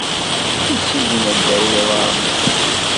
Asigna ddaw yiḍarren-is.